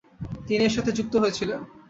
তিনি এর সাথে যুক্ত হয়েছিলেন।